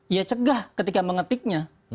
ya cegah ketika mengetiknya